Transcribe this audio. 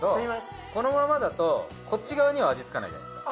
このままだとこっち側には味つかないじゃないですか。